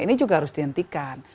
ini juga harus dihentikan